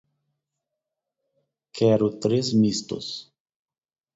Quero três mistos